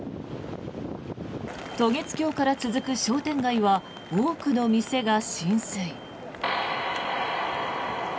渡月橋から続く商店街は多くの店が浸水。